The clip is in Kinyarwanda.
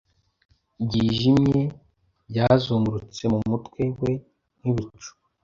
byijimye byazungurutse mumutwe we nkibicu